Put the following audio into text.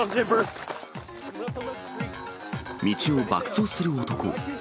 道を爆走する男。